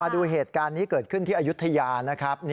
ดูเหตุการณ์นี้เกิดขึ้นที่อายุทยานะครับ